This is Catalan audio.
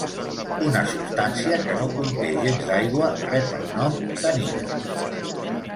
Una substància que no conté gens d'aigua rep el nom d'anhidre.